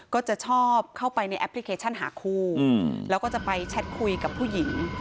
ก็จะชอบเข้าไปในแอปพลิเคชันหาคู่แล้วก็จะไปแชทคุยกับผู้หญิง